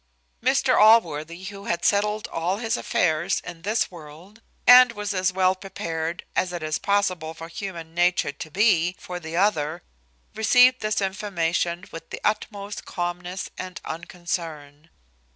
Mr Allworthy, who had settled all his affairs in this world, and was as well prepared as it is possible for human nature to be for the other, received this information with the utmost calmness and unconcern.